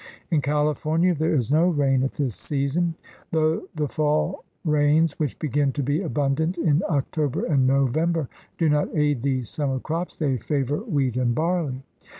In California there is no rain at this season. Though the fall rains, which begin to be abundant in October and November, do not aid these summer crops, they favor wheat and barley.